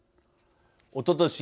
おととし